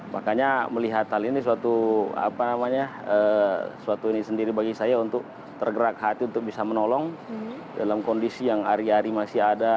makanya melihat hal ini suatu ini sendiri bagi saya untuk tergerak hati untuk bisa menolong dalam kondisi yang hari hari masih ada